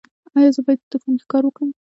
ایا زه باید په دوکان کې کار وکړم؟